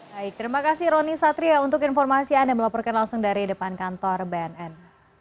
baik terima kasih roni satria untuk informasi anda melaporkan langsung dari depan kantor bnn